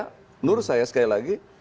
menurut saya sekali lagi